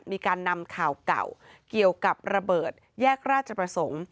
มีการนำข่าวเก่าเกี่ยวกับระเบิดแยกราชประสงค์